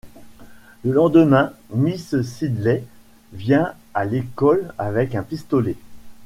Le lendemain, Miss Sidley vient à l'école avec un pistolet.